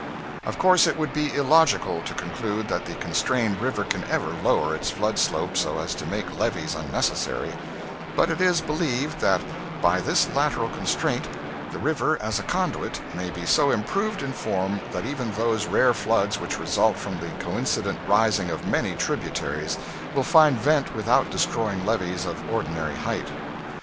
Of course it would be illogical to conclude that the constrained river can ever lower its flood slope so as to make levees unnecessary, but it is believed that, by this lateral constraint, the river as a conduit may be so improved in form that even those rare floods which result from the coincident rising of many tributaries will find vent without destroying levees of ordinary height.